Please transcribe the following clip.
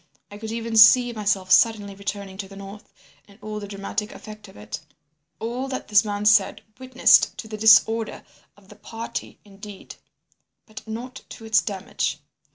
I could even see myself suddenly returning to the north, and all the dramatic effect of it. All that this man said witnessed to the disorder of the party indeed, but not to its damage.